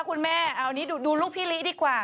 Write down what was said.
คุณแม่เอานี้ดูลูกพี่ลิดีกว่า